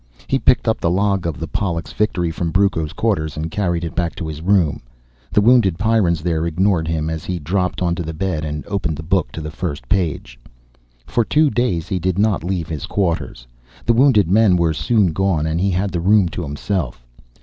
He picked up the log of the Pollux Victory from Brucco's quarters and carried it back to his room. The wounded Pyrrans there ignored him as he dropped onto the bed and opened the book to the first page. For two days he did not leave his quarters. The wounded men were soon gone and he had the room to himself.